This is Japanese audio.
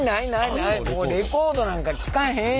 レコードなんか聴かへんよ。